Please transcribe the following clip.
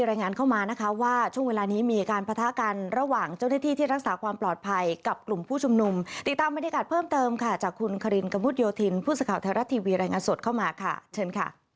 และจะถูกออกมากเกินทางของธนไทย